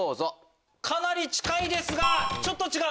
かなり近いですがちょっと違う。